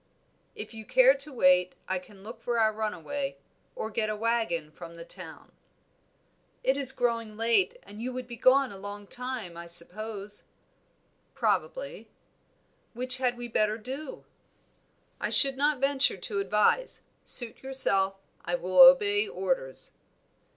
"If you care to wait, I can look for our runaway, or get a wagon from the town." "It is growing late and you would be gone a long time, I suppose?" "Probably." "Which had we better do?" "I should not venture to advise. Suit yourself, I will obey orders."